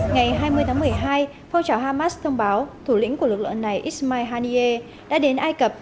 ngày hai mươi tháng một mươi hai phong trào hamas thông báo thủ lĩnh của lực lượng này ismail haniyeh đã đến ai cập